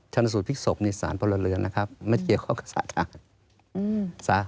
ชนสูตรพลิกศพนี่สารพลเรือนนะครับไม่เกี่ยวข้องกับสะอาด